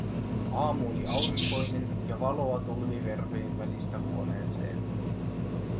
Aamu oli aurinkoinen ja valoa tulvi verhojen välistä huoneeseen.